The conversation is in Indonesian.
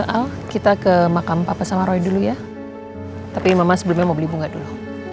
al kita ke makam papa sama roy dulu ya tapi mama sebelumnya mau beli bunga dulu